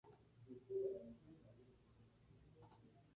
Comprende las laderas sureñas de Sierra Nevada y el Alto Andarax.